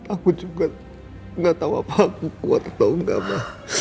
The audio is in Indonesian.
aku juga gak tahu apa aku kuat atau enggak mbak